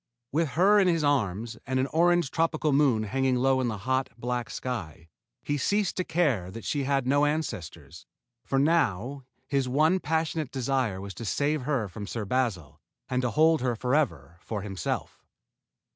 With her in his arms and an orange tropical moon hanging low in the hot, black sky, he ceased to care that she had no ancestors, for now his one passionate desire was to save her from Sir Basil and to hold her forever for himself.